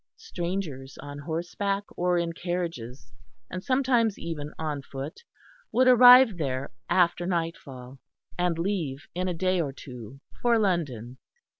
Strangers on horseback or in carriages, and sometimes even on foot, would arrive there after nightfall, and leave in a day or two for London.